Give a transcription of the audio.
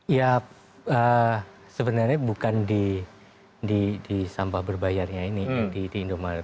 ya sebenarnya bukan di sampah berbayarnya ini di indomaret